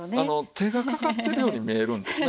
手がかかってるように見えるんですね。